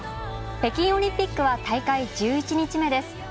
北京オリンピックは大会１１日目です。